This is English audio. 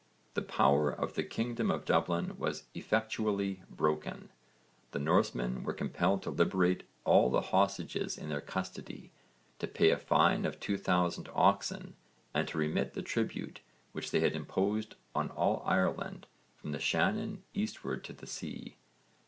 The power of the kingdom of Dublin was effectually broken. The Norsemen were compelled to liberate all the hostages in their custody, to pay a fine of 2000 oxen and to remit the tribute which they had imposed on all Ireland from the Shannon eastwards to the sea.